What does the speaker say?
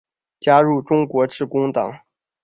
加入中国致公党。